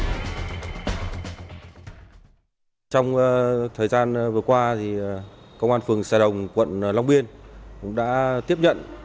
trong thời gian vừa qua thì công an phường xài đồng quận long biên đã tiếp nhận